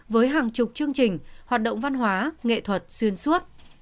với hàng chục chương trình hoạt động văn hóa nghệ thuật xuyên suốt